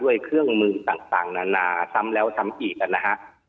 ด้วยเครื่องมือต่างนานาซ้ำแล้วซ้ำอีกนะฮะ